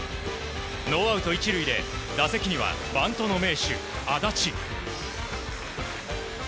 ノーアウト１塁で打席にはバントの名手、安達。